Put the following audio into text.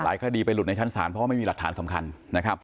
คดีไปหลุดในชั้นศาลเพราะว่าไม่มีหลักฐานสำคัญนะครับ